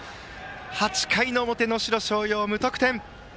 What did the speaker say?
８回の表、能代松陽は無得点。